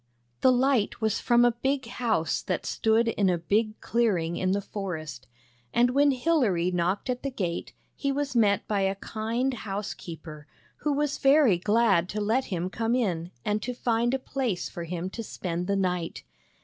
The light was from a big house that stood in a big clearing in the forest, and when Hilary knocked at the gate he was met by a kind housekeeper, who was very glad to let him come in and to find a place for him to spend the night.